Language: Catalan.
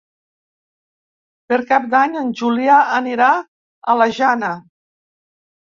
Per Cap d'Any en Julià anirà a la Jana.